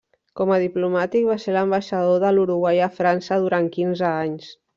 Com a diplomàtic, va ser l'ambaixador de l'Uruguai a França durant quinze anys.